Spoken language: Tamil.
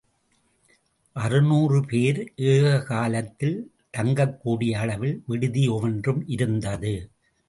அறுநூறு பேர் ஏககாலத்தில் தங்கக்கூடிய அளவில் விடுதி ஒவ்வொன்றும் இருந்தது.